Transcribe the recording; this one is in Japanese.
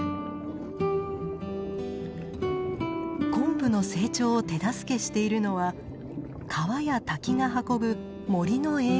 コンブの成長を手助けしているのは川や滝が運ぶ森の栄養です。